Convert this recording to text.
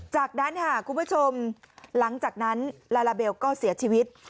จากนั้นค่ะคุณผู้ชมหลังจากนั้นลาลาเบลก็เสียชีวิต